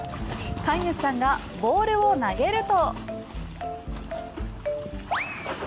飼い主さんがボールを投げると。